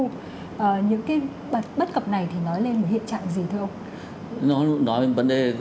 những cái bất cập này thì nói lên một hiện trạng gì thưa ông